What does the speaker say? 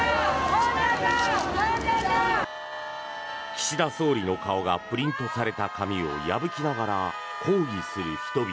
岸田総理の顔がプリントされた紙を破きながら抗議する人々。